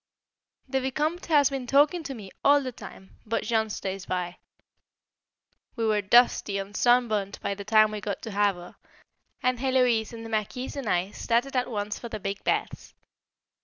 The Vicomte has been talking to me all the time, but Jean stays by. We were dusty and sun burnt by the time we got to Havre, and Héloise and the Marquise and I started at once for the big baths.